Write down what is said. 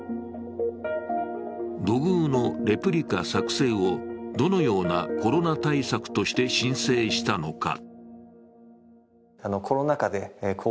土偶のレプリカ作製をどのようなコロナ対策として申請したのか。